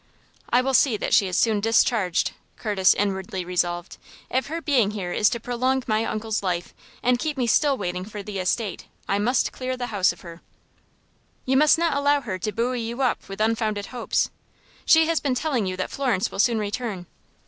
"I will see that she is soon discharged," Curtis inwardly resolved. "If her being here is to prolong my uncle's life, and keep me still waiting for the estate, I must clear the house of her." "You must not allow her to buoy you up with unfounded hopes. She has been telling you that Florence will soon return."